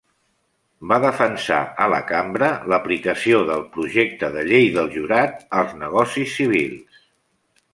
Va defensar a la Cambra l'aplicació del projecte de Llei del Jurat als negocis civils.